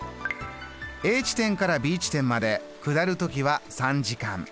Ａ地点からＢ地点まで下る時は３時間。